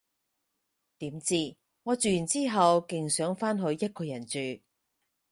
點知，我住完之後勁想返去一個人住